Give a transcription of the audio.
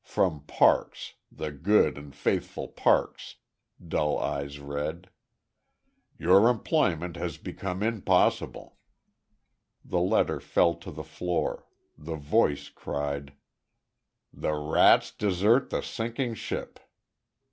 From Parks, the good and faithful Parks." Dull eyes read. "Your employment has become impossible." The letter fell to the floor; the voice cried: "The rats desert the sinking ship!"